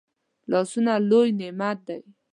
لاسونه لوي نعمت دی